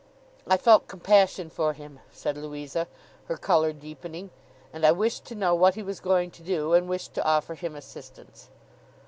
'I felt compassion for him,' said Louisa, her colour deepening, 'and I wished to know what he was going to do, and wished to offer him assistance.